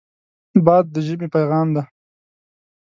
باد د ژمې پیغام دی